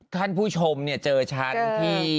ท่านผู้ชมเนี่ยเจอฉันที่